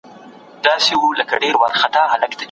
ایا تاسي د خپل حساب پټنوم هېر کړی دی؟